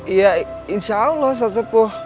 iya insya allah ustadz sepuh